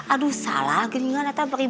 aduh salah gini